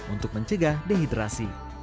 untuk mencegah dehidrasi